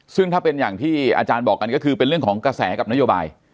ซึ่งถ้าเป็นอย่างที่อาจารย์บอกกันก็คือเป็นเรื่องของกระแสกับนโยบาย